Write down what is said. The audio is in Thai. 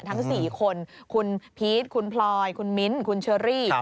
ทั้ง๔คนคุณพีชคุณพลอยคุณมิ้นคุณเชอรี่